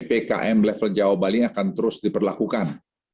ppkm level jawa bali akan terus diperlakukan